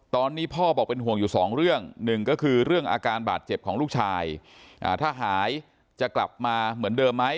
ตอนนี้พ่อบอกเป็นห่วงอยู่สองเรื่องหนึ่งก็คือเรื่องอาการบาดเจ็บของลูกชายถ้าหายจะกลับมาเหมือนเดิมไหม